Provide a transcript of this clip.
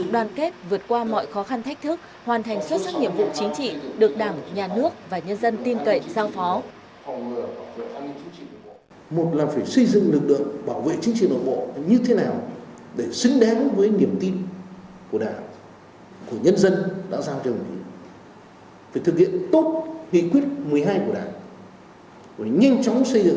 đoàn kết vượt qua mọi khó khăn thách thức hoàn thành xuất sắc nhiệm vụ chính trị được đảng nhà nước và nhân dân tin cậy giang phó